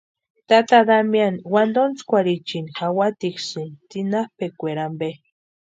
Tata Damiani wantontskwarhichini jawatiksïni tsinapʼikwaeri ampe.